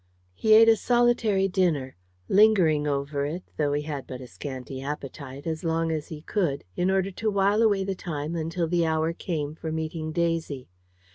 He ate a solitary dinner, lingering over it, though he had but a scanty appetite, as long as he could, in order to while away the time until the hour came for meeting Daisy.